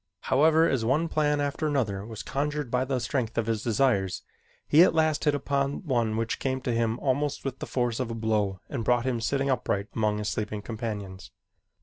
However, as one plan after another was conjured by the strength of his desires, he at last hit upon one which came to him almost with the force of a blow and brought him sitting upright among his sleeping companions.